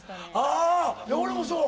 あ俺もそう。